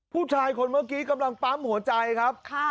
ผู้ชายคนเมื่อกี้กำลังปั๊มหัวใจครับ